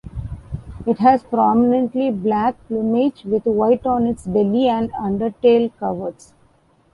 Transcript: It has predominantly black plumage, with white on its belly and undertail coverts.